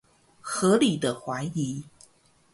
合理的懷疑